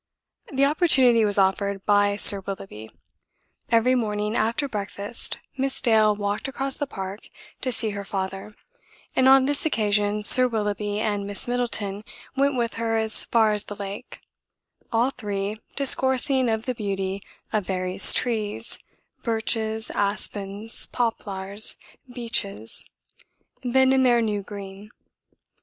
The opportunity was offered by Sir Willoughby. Every morning after breakfast Miss Dale walked across the park to see her father, and on this occasion Sir Willoughby and Miss Middleton went with her as far as the lake, all three discoursing of the beauty of various trees, birches, aspens, poplars, beeches, then in their new green.